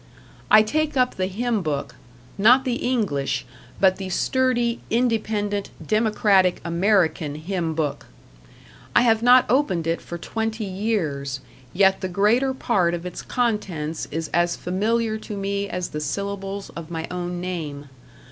I take up the hymn book not the English, but the sturdy, independent, democratic American hymn book. I have not opened it for twenty years, yet the greater part of its contents is as familiar to me as the syllables of my own name.